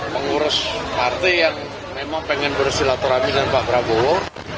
pengurus partai yang memang pengen bersih laturami dan pak prabowo